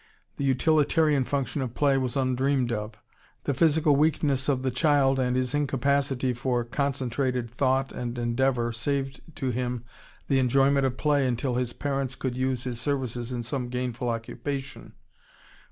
The utilitarian function of play was undreamed of. The physical weakness of the child and his incapacity for concentrated thought and endeavor saved to him the enjoyment of play until his parents could use his services in some gainful occupation....